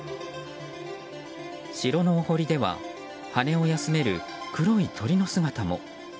白のお堀では羽を休める黒い鳥の姿も。